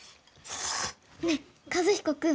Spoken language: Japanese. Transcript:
ねえ和彦君。